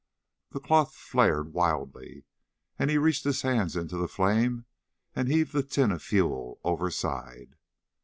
The cloth flared wildly, and he reached his hands into the flame and heaved the tin of fuel overside.